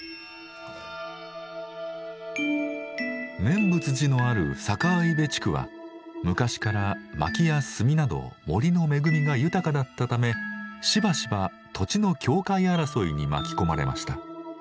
念仏寺のある阪合部地区は昔から薪や炭など森の恵みが豊かだったためしばしば土地の境界争いに巻き込まれました。